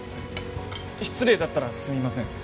失礼だったらすみません。